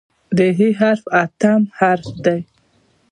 د "ح" حرف اتم حرف دی.